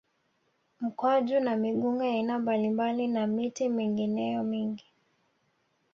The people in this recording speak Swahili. Mkwaju na migunga ya aina mbalimbali na miti mingineyo mingi